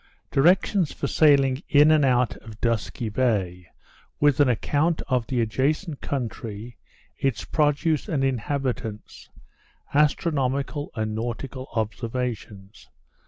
_Directions for sailing in and out of Dusky Bay, with an Account of the adjacent Country, its Produce, and Inhabitants: Astronomical and Nautical Observations.